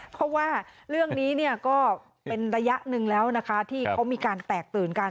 เพราะว่าเรื่องนี้เนี่ยก็เป็นระยะหนึ่งแล้วนะคะที่เขามีการแตกตื่นกัน